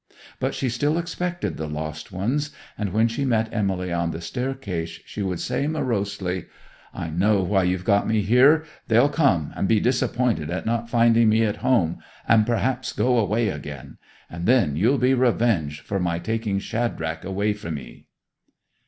But she still expected the lost ones, and when she met Emily on the staircase she would say morosely: 'I know why you've got me here! They'll come, and be disappointed at not finding me at home, and perhaps go away again; and then you'll be revenged for my taking Shadrach away from 'ee!